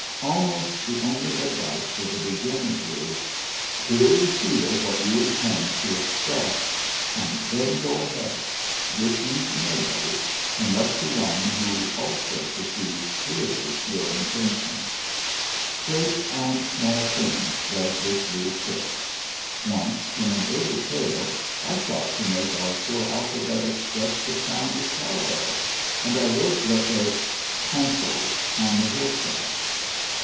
Almost the only advice for the beginner is, Clearly feel what you intend to express, and then go ahead, listening to nobody, unless to one who also perceives clearly your intention. Great and small things does this rule fit Once in an early tale I sought to make our poor alphabet express the sound of cow bells, and I wrote that they tankled on the hillside.